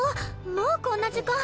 もうこんな時間。